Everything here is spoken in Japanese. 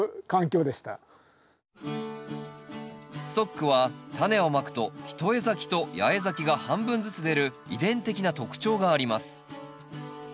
ストックはタネをまくと一重咲きと八重咲きが半分ずつ出る遺伝的な特徴があります。